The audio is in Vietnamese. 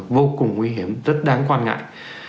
vô cùng nguy hiểm rất đáng quan ngại